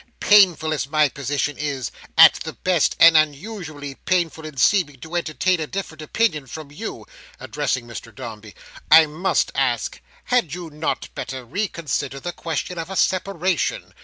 painful as my position is, at the best, and unusually painful in seeming to entertain a different opinion from you," addressing Mr Dombey, "I must ask, had you not better reconsider the question of a separation.